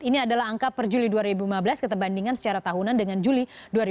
ini adalah angka per juli dua ribu lima belas kita bandingkan secara tahunan dengan juli dua ribu delapan belas